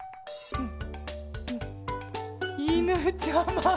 うん。